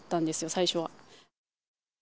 最初は。